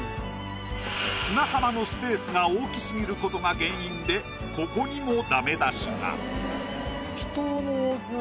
砂浜のスペースが大きすぎることが原因でここにもダメ出しが。